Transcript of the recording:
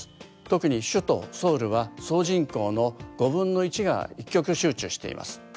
特に首都ソウルは総人口の５分の１が一極集中しています。